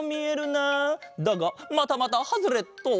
だがまたまたハズレット！